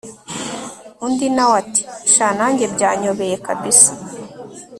undi nawe ati sha nanjye byanyobeye kabsa